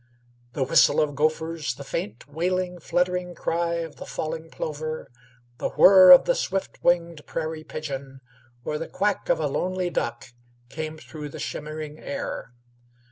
The whistle of gophers, the faint, wailing, fluttering cry of the falling plover, the whir of the swift winged prairie pigeon, or the quack of a lonely duck, came through the shimmering air.